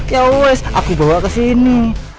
ya wes aku bawa kesini